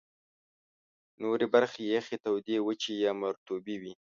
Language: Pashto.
نورې برخې یخي، تودې، وچي یا مرطوبې وې.